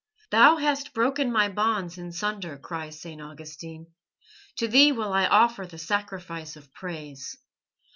"Thou hast broken my bonds in sunder," cries St. Augustine, "to Thee will I offer the sacrifice of praise."